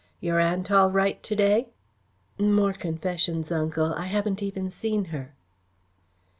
"Your aunt all right to day?" "More confessions, Uncle. I haven't even seen her."